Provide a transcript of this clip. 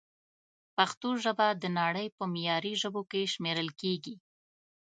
پښتو ژبه د نړۍ په معياري ژبو کښې شمېرل کېږي